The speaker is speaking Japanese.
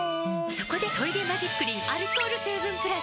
そこで「トイレマジックリン」アルコール成分プラス！